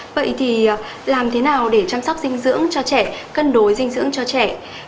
vậy thì làm thế nào để chăm sóc dinh dưỡng cho trẻ cân đối dinh dưỡng cho trẻ